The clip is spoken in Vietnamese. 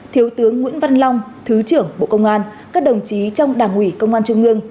thiếu tướng nguyễn văn long thứ trưởng bộ công an các đồng chí trong đảng ủy công an trung ương